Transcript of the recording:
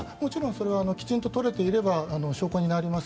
それはきちんと撮れていれば証拠になります。